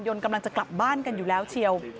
กำลังจะกลับบ้านกันอยู่แล้วเชียว